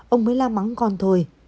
ông mới la mắng con thôi